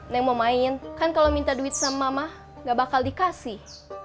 yang mau main kan kalau minta duit sama mama gak bakal dikasih